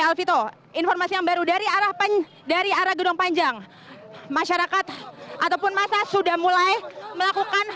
alvito informasi yang baru dari arah dari arah gedung panjang masyarakat ataupun masa sudah mulai melakukan